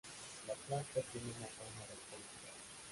La planta tiene una forma rectangular.